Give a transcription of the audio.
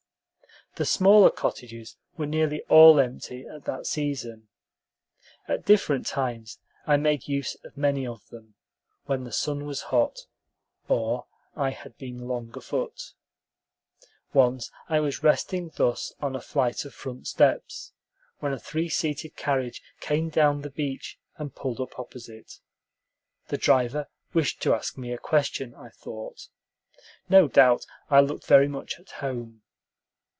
The smaller cottages were nearly all empty at that season. At different times I made use of many of them, when the sun was hot, or I had been long afoot. Once I was resting thus on a flight of front steps, when a three seated carriage came down the beach and pulled up opposite. The driver wished to ask me a question, I thought; no doubt I looked very much at home.